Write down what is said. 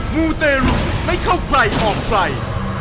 มูเตรุไม่เข้าใครออกใคร